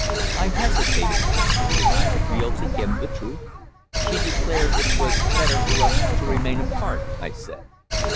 I hesitated. Should I reveal to him the truth? "She declared that it was better for us to remain apart," I said.